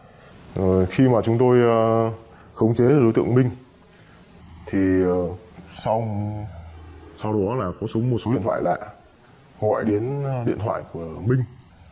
rồi khi mà chúng tôi khống chế đối tượng minh thì sau đó là có xuống một số điện thoại lại gọi đến điện thoại của minh